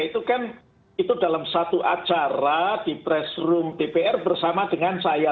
itu kan dalam satu acara di press room dpr bersama dengan saya